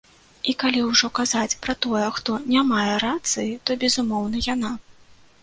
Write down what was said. І калі ўжо казаць пра тое, хто не мае рацыі, то, безумоўна, яна.